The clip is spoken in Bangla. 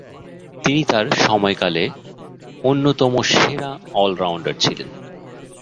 তিনি তার সময়কালে অন্যতম সেরা অল-রাউন্ডার ছিলেন।